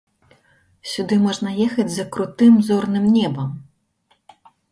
Сюды можна ехаць за крутым зорным небам!